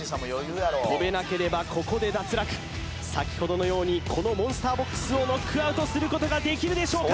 跳べなければここで脱落先ほどのようにこのモンスターボックスをノックアウトすることができるでしょうか？